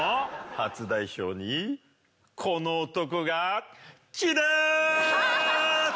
初代表にこの男がキダ！